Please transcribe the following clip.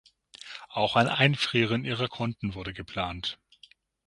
Auch ein Einfrieren ihrer Konten wurde geplant.